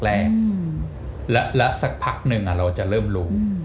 แล้วสักพักหนึ่งเราจะเริ่มรู้